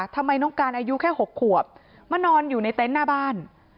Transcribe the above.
ทำไมน้องการอายุแค่๖ขวบมานอนอยู่ในเต็นต์หน้าบ้าน